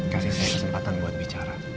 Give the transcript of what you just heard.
kasih saya kesempatan buat bicara